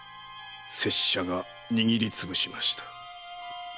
拙者が握りつぶしました。